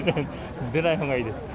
出ないほうがいいです。